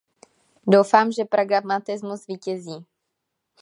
Doufám, že pragmatismus zvítězí.